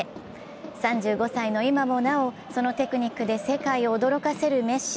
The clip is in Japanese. ３５歳の今もなおそのテクニックで世界を驚かせるメッシ。